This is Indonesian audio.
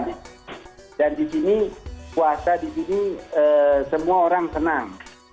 dan di sini puasa di sini semua orang senang